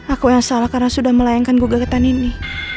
aku yang salah karena sudah melayangkan gua ke tan ini